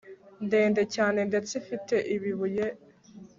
ndende cyane ndetse ifite ibibuye